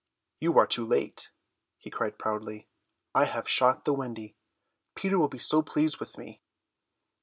"You are too late," he cried proudly, "I have shot the Wendy. Peter will be so pleased with me."